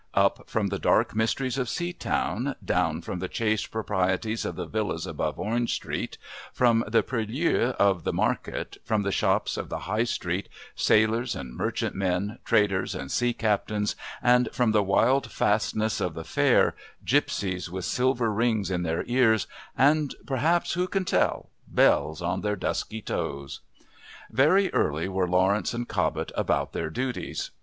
Up from the dark mysteries of Seatown, down from the chaste proprieties of the villas above Orange Street, from the purlieus of the market, from the shops of the High Street, sailors and merchantmen, traders and sea captains and, from the wild fastness of the Fair, gipsies with silver rings in their ears and, perhaps, who can tell? bells on their dusky toes. Very early were Lawrence and Cobbett about their duties.